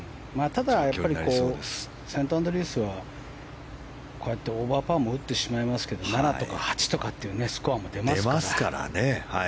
ただ、やっぱりセントアンドリュースはこうやってオーバーパーも打ってしまいますけど７とか８とかっていうスコアも出ますから。